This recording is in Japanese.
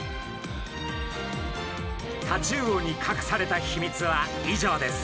タチウオにかくされた秘密は以上です。